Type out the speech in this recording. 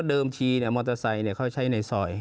เดิมทีมอเตอร์ไซค์เขาใช้ในซอย